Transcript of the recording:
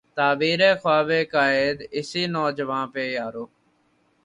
تعبیر ء خواب ء قائد، اسی نوجواں پہ یارو